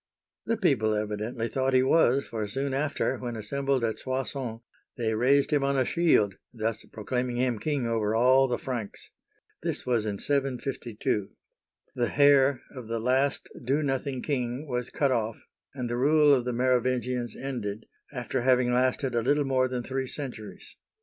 " The people evidently thought he was, for soon after, when assembled at Soissons, they raised him on a shield, thus proclaiming him king over all the Franks. This was in 752. The hair of the last "do nothing king " was cut off, and the rule of the Merovingians ended, after having lasted a little more than three centuries.